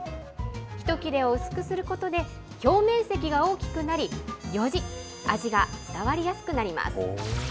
一切れを薄くすることで表面積が大きくなり、より味が伝わりやすくなります。